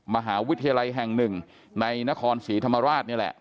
มหาวิทยาลัยแห่งหนึ่งในนครศรีธรรมราชนี่แหละ